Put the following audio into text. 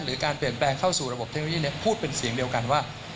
การเปลี่ยนแปลงเข้าสู่ระบบเทคโนโลยีพูดเป็นเสียงเดียวกันว่า